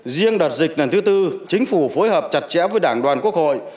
riêng đợt dịch lần thứ tư chính phủ phối hợp chặt chẽ với đảng đoàn quốc hội